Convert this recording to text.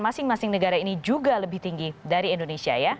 masing masing negara ini juga lebih tinggi dari indonesia ya